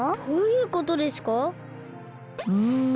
どういうことですか？